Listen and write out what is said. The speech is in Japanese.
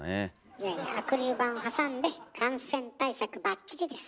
いやいやアクリル板を挟んで感染対策ばっちりです。